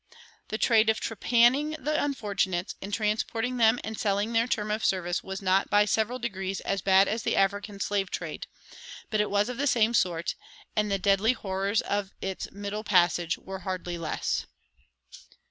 The trade of "trepanning" the unfortunates and transporting them and selling their term of service was not by several degrees as bad as the African slave trade; but it was of the same sort, and the deadly horrors of its "middle passage" were hardly less.